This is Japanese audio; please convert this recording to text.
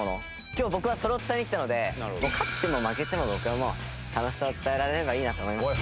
今日僕はそれを伝えにきたので勝っても負けても僕はもう楽しさを伝えられればいいなと思います。